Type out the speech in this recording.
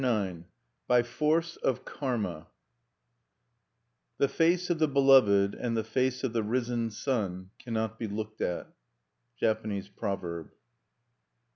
IX BY FORCE OF KARMA "The face of the beloved and the face of the risen sun cannot be looked at." Japanese Proverb.